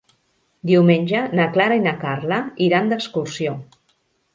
Diumenge na Clara i na Carla iran d'excursió.